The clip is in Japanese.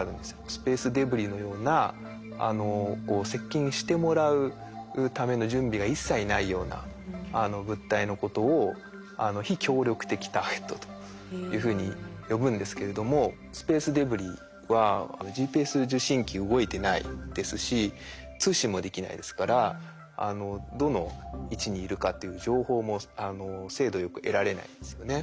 スペースデブリのような接近してもらうための準備が一切ないような物体のことを非協力的ターゲットというふうに呼ぶんですけれどもスペースデブリはＧＰＳ受信機動いてないですし通信もできないですからどの位置にいるかっていう情報も精度よく得られないですよね。